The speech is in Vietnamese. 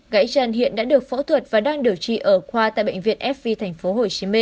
gãi chân hiện đã được phẫu thuật và đang điều trị ở khoa tại bệnh viện fv tp hcm